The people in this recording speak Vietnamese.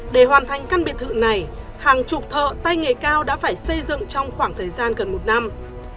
để hoàn thành căn biệt thự này hàng chục thợ tay nghề cao đã phải xây dựng trong khoảng thời gian gần một năm